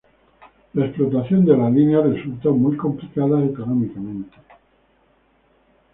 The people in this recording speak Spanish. La explotación de la línea resultó muy complicada económicamente.